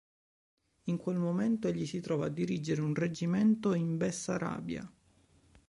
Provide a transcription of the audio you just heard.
In quel momento egli si trova a dirigere un reggimento in Bessarabia.